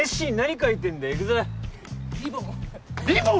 リボン。